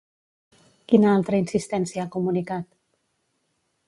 Quina altra insistència ha comunicat?